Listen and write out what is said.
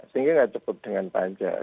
sehingga tidak cukup dengan pajak